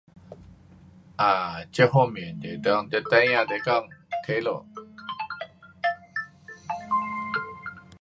其实 artificial Intelligence um 对我们的生活真的是很好啦。因为我就在那边想啦如果说我有一，一个 robot[um] 能够跟我收屋，能够跟我折